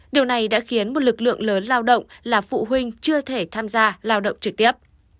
điều này đã khiến một lực lượng lớn lao động là phụ huynh chưa thể tham gia lao động trực tiếp